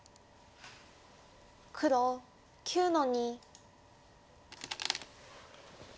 黒９の二。